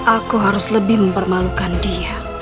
aku harus lebih mempermalukan dia